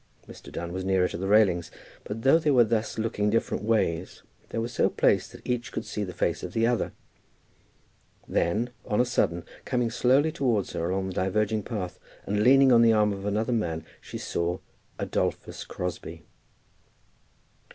Mr. Dunn was nearer to the railings, but though they were thus looking different ways they were so placed that each could see the face of the other. Then, on a sudden, coming slowly towards her along the diverging path and leaning on the arm of another man, she saw, Adolphus Crosbie.